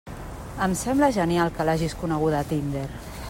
Em sembla genial que l'hagis coneguda a Tinder!